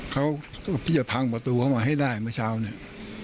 เขาพี่จะพังประตูเข้ามาให้ได้เมื่อเช้าเนี่ย